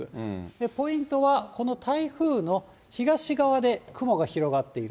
ポイントは、この台風の東側で雲が広がっている。